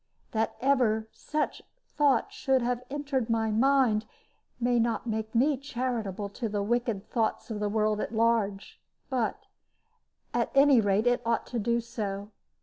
That ever such thought should have entered my mind may not make me charitable to the wicked thoughts of the world at large, but, at any rate, it ought to do so.